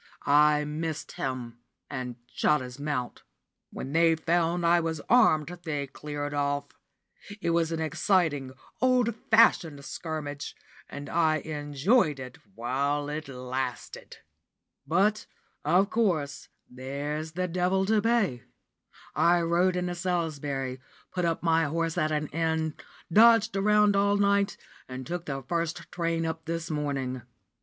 I missed him, and shot his mount. When they found I was armed, they cleared off. It was an exciting, old fashioned scrimmage, and I enjoyed it while it lasted. But of course, there's the devil to pay. I rode into Salisbury, put up my horse at an inn, dodged around all night, and took the first train up this morning.